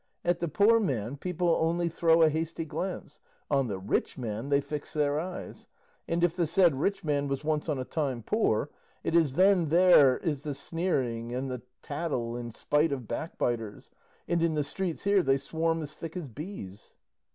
At the poor man people only throw a hasty glance; on the rich man they fix their eyes; and if the said rich man was once on a time poor, it is then there is the sneering and the tattle and spite of backbiters; and in the streets here they swarm as thick as bees."